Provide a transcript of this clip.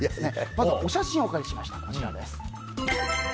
まずお写真をお借りしました。